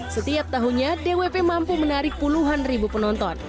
setiap tahunnya dwp mampu menarik puluhan ribu penonton